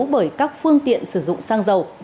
bởi các phương tiện sử dụng xăng dầu